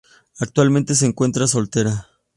Actualmente se encuentra soltera.